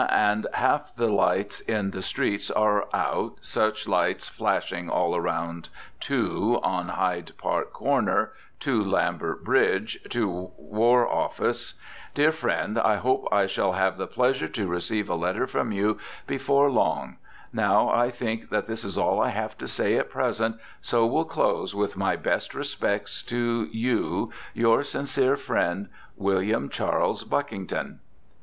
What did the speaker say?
and half the Lights in the streets are out surch Lights flashing all round 2 on hyde Park Corner 2 Lambert Bridge 2 War office dear Friend i hope i shall have the Pleasure to receive a Letter from you before long Now i think that this is all i have to say at present so will close with my best respects to you your "Sincere friend "WILLIAM CHARLES BUCKINGTON."